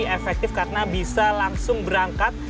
efektif karena bisa langsung berangkat